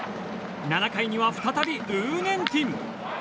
７回には再びウー・ネンティン。